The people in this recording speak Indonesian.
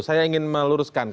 saya ingin meluruskan